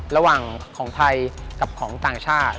หลังของไทยกับของต่างชาติ